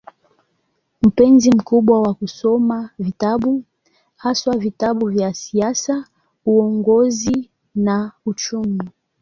Mpenzi mkubwa wa kusoma vitabu, haswa vitabu vya siasa, uongozi na uchumi.